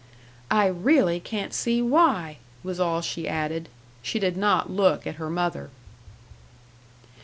"I really can't see why!" was all she added. She did not look at her mother.